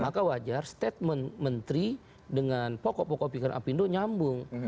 maka wajar statement menteri dengan pokok pokok pikiran apindo nyambung